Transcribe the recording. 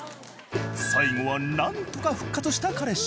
最後はなんとか復活した彼氏！